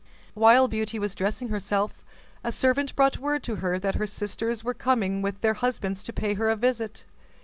While Beauty was dressing herself, a servant brought word to her that her sisters were come with their husbands to pay her a visit.